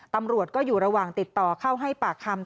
ตำรวจก็อยู่ระหว่างติดต่อเข้าให้ปากคำ